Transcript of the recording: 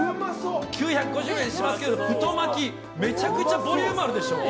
９５０円しますけど太巻き、めちゃくちゃボリュームあるでしょ？